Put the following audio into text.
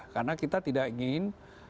karena kita tidak ingin